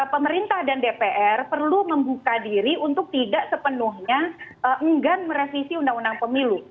pemerintah dan dpr perlu membuka diri untuk tidak sepenuhnya enggan merevisi undang undang pemilu